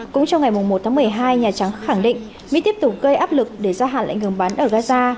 cũng trong ngày một tháng một mươi hai nhà trắng khẳng định mỹ tiếp tục gây áp lực để gia hạn lệnh ngừng bắn ở gaza